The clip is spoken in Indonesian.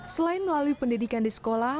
selain melalui pendidikan di sekolah